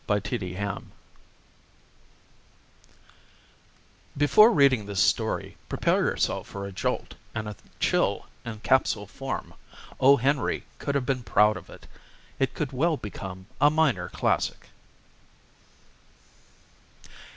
net _Before reading this story, prepare yourself for a jolt and a chill in capsule form. O. Henry could have been proud of it. It could well become a minor classic.